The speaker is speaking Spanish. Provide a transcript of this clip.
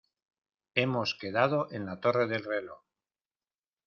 Hemos quedado en la torre del reloj.